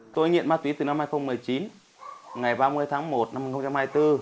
tôi nghiện ma túy từ năm hai nghìn một mươi chín ngày ba mươi tháng một năm hai nghìn hai mươi bốn